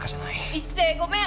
一星ごめん！